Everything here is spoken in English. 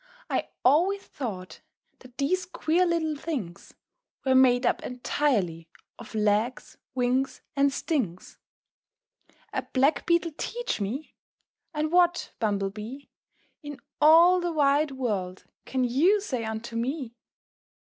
I always thought that these queer little things Were made up entirely of legs, wings, and stings. A Black Beetle teach me! And what, Bumble Bee, In all the wide world can you say unto me?